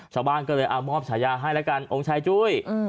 ชาวบ้านก็เลยเอามอบฉายาให้แล้วกันองค์ชายจุ้ย